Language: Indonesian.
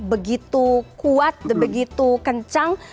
begitu kuat begitu kencang